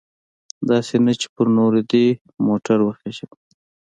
داسې نه چې پر نورو دې موټر وخیژوي.